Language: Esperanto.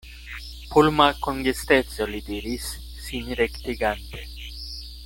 Pulma kongesteco, li diris, sin rektigante.